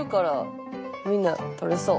みんなとれそう。